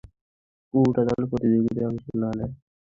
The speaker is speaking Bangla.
কুকুরটা যেন প্রতিযোগিতায় অংশ না নেয়।